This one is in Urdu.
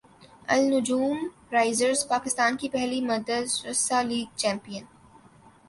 النجوم رائزرز پاکستان کی پہلی مدرسہ لیگ کی چیمپیئن